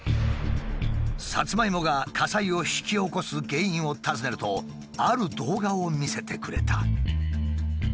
サツマイモが火災を引き起こす原因を尋ねるとある動画を見せてくれた。